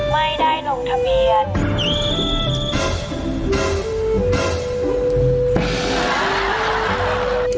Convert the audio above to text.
ไม่ได้ลงทะเบียน